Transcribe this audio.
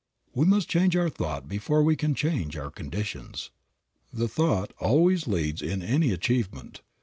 We must change our thought before we can change our conditions. The thought always leads in any achievement.